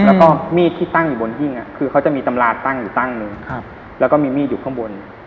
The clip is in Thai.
แล้วก็มีดที่ตั้งอยู่บนหิ้งคือเขาจะมีตำราตั้งอยู่ตั้งหนึ่งแล้วก็มีมีดอยู่ข้างบน